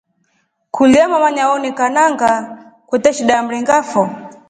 Kulya mama nyawonika nanga kwete shida ya mringa foo.